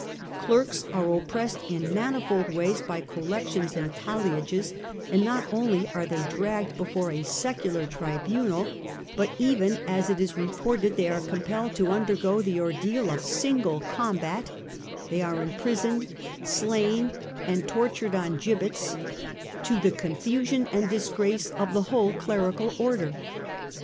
Clerks are oppressed in manifold ways by collections and talliages, and not only are they dragged before a secular tribunal, 238 STUPOR MUNDI but even, as it is reported, they are compelled to undergo the ordeal of single combat ; they are imprisoned, slain and tortured on gibbets, to the confusion and disgrace of the whole clerical order.